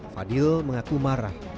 fadil mengaku marah